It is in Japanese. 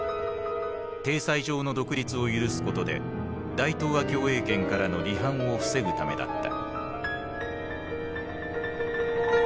体裁上の独立を許すことで大東亜共栄圏からの離反を防ぐためだった。